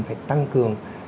phải tăng cường